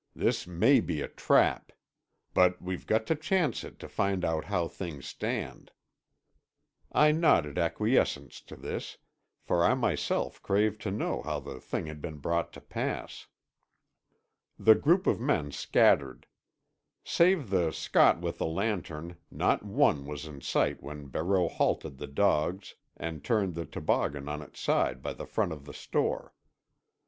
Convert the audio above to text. "This may be a trap. But we've got to chance it to find out how things stand." I nodded acquiescence to this; for I myself craved to know how the thing had been brought to pass. The group of men scattered. Save the Scot with the lantern, not one was in sight when Barreau halted the dogs and turned the toboggan on its side by the front of the store.